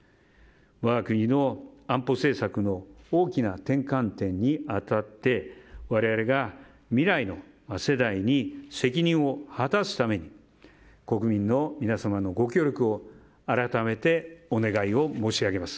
我が国の安保政策の大きな転換点に当たって我々が、未来の世代に責任を果たすために国民の皆様のご協力を改めてお願いを申し上げます。